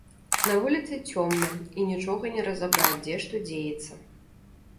На вуліцы цёмна, і нічога не разабраць, дзе што дзеецца.